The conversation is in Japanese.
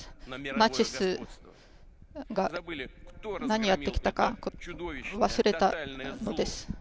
ナチスが何をやってきたか忘れたのです。